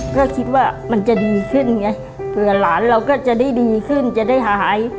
ก็คิดว่ามันจะดีขึ้นไงเผื่อหลานเราก็จะได้ดีขึ้นจะได้หาย